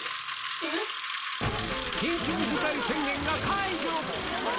緊急事態宣言が解除！